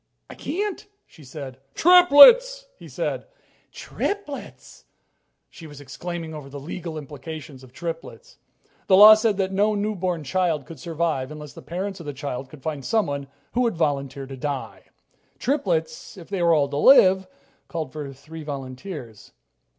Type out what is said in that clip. "I can't," she said. "Triplets!" he said. "Triplets!" she said. She was exclaiming over the legal implications of triplets. The law said that no newborn child could survive unless the parents of the child could find someone who would volunteer to die. Triplets, if they were all to live, called for three volunteers.